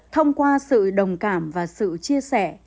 thông qua sự đồng cảm và sự chia sẻ